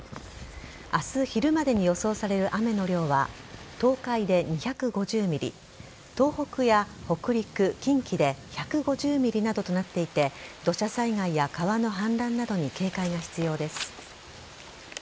明日昼までに予想される雨の量は東海で２５０ｍｍ東北や北陸、近畿で１５０ｍｍなどとなっていて土砂災害や川の氾濫などに警戒が必要です。